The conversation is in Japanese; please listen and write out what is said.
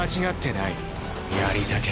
やりたきゃやれ。